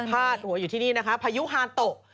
พาดหัวอยู่ที่นี่นะคะพายุฮาโตะ